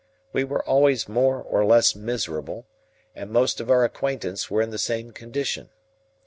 We were always more or less miserable, and most of our acquaintance were in the same condition.